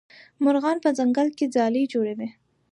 مرغان په ځنګل کې ځالې جوړوي.